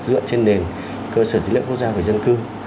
dựa trên nền cơ sở dữ liệu quốc gia về dân cư